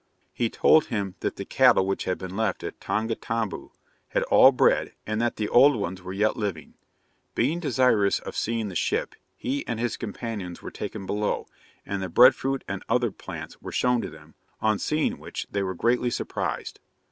He told him that the cattle which had been left at Tongataboo had all bred, and that the old ones were yet living. Being desirous of seeing the ship, he and his companions were taken below, and the bread fruit and other plants were shown to them, on seeing which they were greatly surprised.